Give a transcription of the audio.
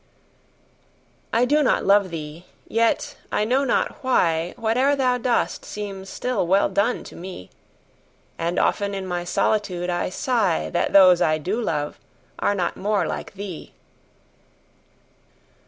I do not love thee!—yet, I know not why, 5 Whate'er thou dost seems still well done, to me: And often in my solitude I sigh That those I do love are not more like thee!